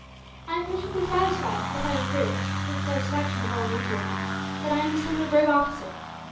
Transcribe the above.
I am perfectly satisfied with having proved, to the satisfaction of all in India, that I am the son of a brave officer.